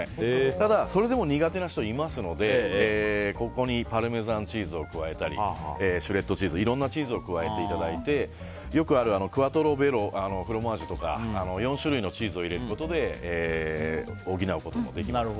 ただ、それでも苦手な人はいますのでここにパルメザンチーズを加えたりシュレッドチーズなどいろんなチーズを加えていただいて、よくあるクアトロフロマージュとか４種類のチーズを入れることで補うこともできます。